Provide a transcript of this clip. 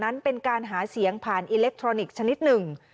นั้นเป็นการหาเสียงผ่านอิเล็กทรอนิกส์ชนิดหนึ่ง